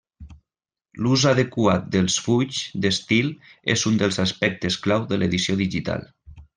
L'ús adequat dels fulls d'estil és un dels aspectes clau de l'edició digital.